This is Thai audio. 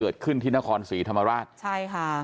เกิดขึ้นที่นครศรีธรรมราช